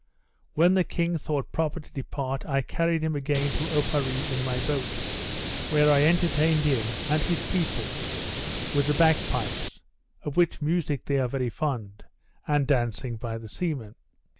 When the king thought proper to depart, I carried him again to Oparree in my boat; where I entertained him and his people with the bagpipes (of which music they are very fond) and dancing by the seamen.